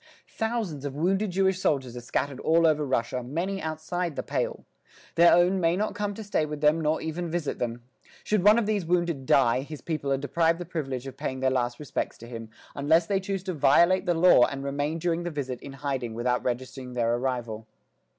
Thousands of wounded Jewish soldiers are scattered all over Russia, many outside the "Pale." Their own may not come to stay with them nor even visit them. Should one of these wounded die, his people are deprived of the privilege of paying their last respects to him; unless they choose to violate the law and remain during the visit in hiding without registering their arrival.